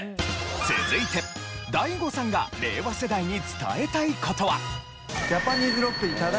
続いてＤＡＩＧＯさんが令和世代に伝えたい事は。